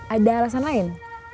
ada alasan lain